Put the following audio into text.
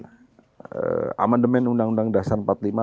amandemen undang undang dasar empat puluh lima